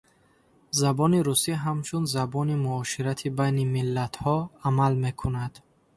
Забони русӣ ҳамчун забони муоширати байни миллатҳо амал мекунад.